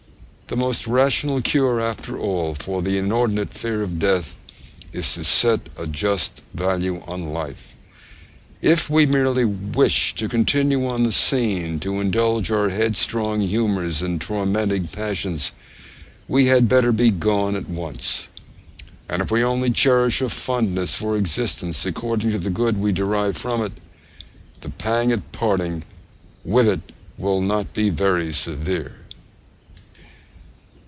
The most rational cure after all for the inordinate fear of death is to set a just value on life. If we merely wish to continue on the scene to indulge our headstrong humours and tormenting passions, we had better begone at once; and if we only cherish a fondness for existence according to the good we derive from it, the pang we feel at parting with it will not be very severe!